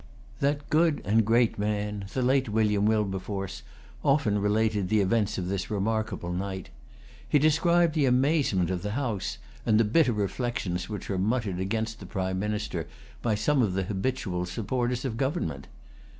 That good and great man, the late William Wilberforce, often related the events of this remarkable night. He described the amazement of the House, and the bitter reflections which were muttered against the Prime Minister by some of the habitual supporters of government.